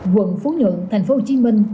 quận phú nượng thành phố hồ chí minh